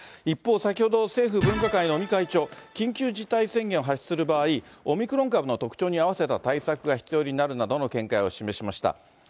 一方、先ほど政府分科会の尾身会長、緊急事態宣言を発出する場合、オミクロン株の特徴に合わせた対策が必要になるなどの見解を示しました。